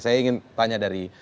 saya ingin tanya dari